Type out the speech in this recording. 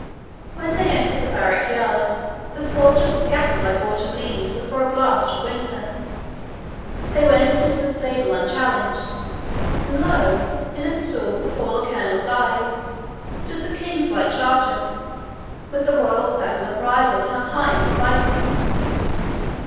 When they entered the barrack yard, the soldiers scattered like autumn leaves before a blast of winter. They went into the stable unchallenged and lo! in a stall, before the colonel's eyes, stood the king's white charger, with the royal saddle and bridle hung high beside him!